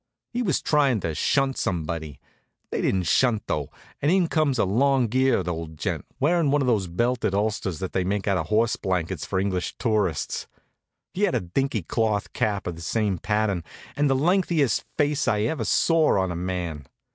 He was tryin' to shunt somebody. They didn't shunt though, and in comes a long geared old gent, wearin' one of those belted ulsters that they make out of horse blankets for English tourists. He had a dinky cloth cap of the same pattern, and the lengthiest face I ever saw on a man.